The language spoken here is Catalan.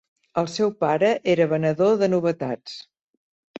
El seu pare era venedor de novetats.